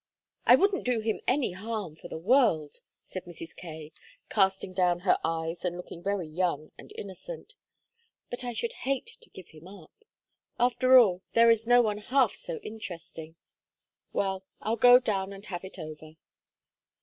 "I wouldn't do him any harm for the world," said Mrs. Kaye, casting down her eyes and looking very young and innocent. "But I should hate to give him up. After all, there is no one half so interesting. Well, I'll go down and have it over."